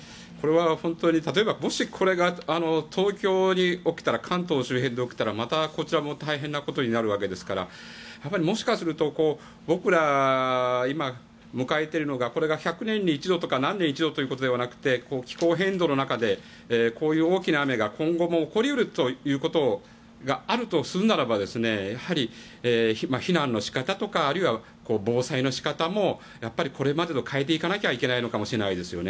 例えばもしこれが東京に起きたら関東周辺で起きたらまた、こちらも大変なことになるわけですからもしかすると僕ら今、迎えているのがこれが１００年に一度とか何年に一度ということではなくて気候変動の中でこういう大きな雨が今後も起こり得るということがあるとするならばやはり避難の仕方とかあるいは、防災の仕方もこれまでと変えていかないといけないのかもしれないですね。